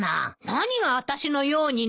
何があたしのようになのよ。